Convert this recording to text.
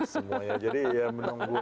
semuanya jadi menunggulah